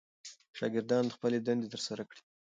شاګردانو خپلې دندې ترسره کړې.